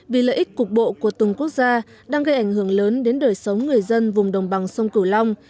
vì lợi ích cục bộ của từng quốc gia đang gây ảnh hưởng lớn đến đời sống người dân vùng đồng bằng sông cửu long